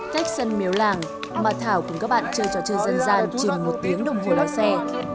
cách sân miếu làng mà thảo cùng các bạn chơi trò chơi dân gian chỉ một tiếng đồng hồ lái xe